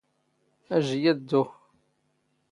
ⴰⵊⵊ ⵉⵢⵉ ⴰⴷ ⴷⴷⵓⵖ.